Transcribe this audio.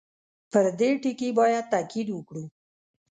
پر دې ټکي باندې تاءکید وکړو.